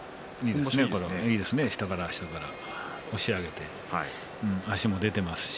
いいですね、下から押し上げて足も出ています。